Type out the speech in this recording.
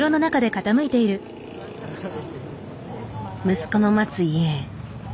息子の待つ家へ。